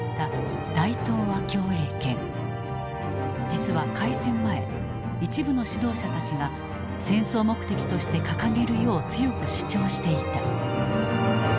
実は開戦前一部の指導者たちが戦争目的として掲げるよう強く主張していた。